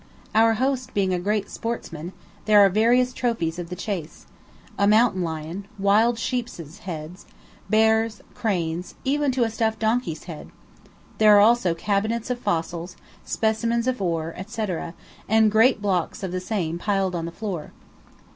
Our host being a great sportsman, there are various trophies of the chase a mountain lion, wild sheeps' heads, bears, cranes, even to a stuffed donkey's head; there are also cabinets of fossils, specimens of ore, etc., and great blocks of the same piled on the floor.